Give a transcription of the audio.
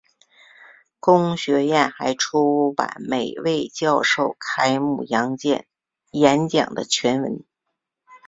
公学院还出版每位教授开幕演讲的全文。